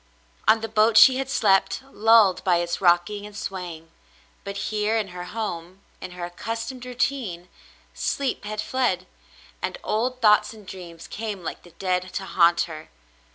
On the boat she had slept, lulled by its rocking and swaying, but here in her home — in her accustomed routine — sleep had fled, and old thoughts and dreams came like the dead to haunt her.